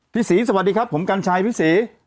พี่ศรีสวัสดีครับผมกัญชัยพี่ศรี